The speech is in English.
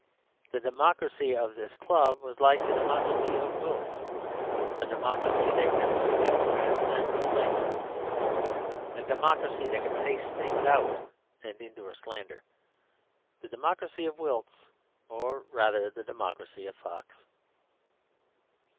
The democracy of this club was like the democracy of Wilkes, a democracy that can speak epigrams and fight duels; a democracy that can face things out and endure slander; the democracy of Wilkes, or, rather, the democracy of Fox.